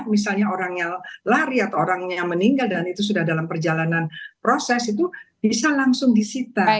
misalnya orang yang lari atau orangnya yang meninggal dan itu sudah dalam perjalanan proses itu bisa langsung disita